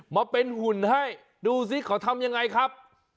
มาเป็นหุ่นให้ดูสิเขาทำยังไงครับ